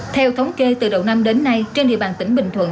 theo thống kê từ đầu năm đến nay trên địa bàn tỉnh bình thuận